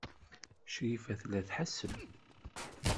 Crifa tella tḥesseb.